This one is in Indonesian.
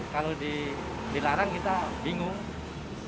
kalau dilarang kita bingung